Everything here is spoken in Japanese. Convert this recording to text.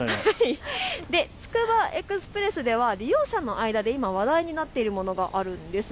つくばエクスプレスでは利用者の間で今、話題になっているものがあるんです。